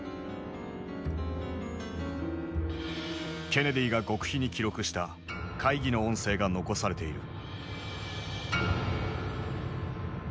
ケネディが極秘に記録した会議の音声が残されている。